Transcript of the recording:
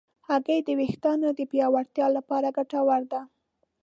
هګۍ د ویښتانو د پیاوړتیا لپاره ګټوره ده.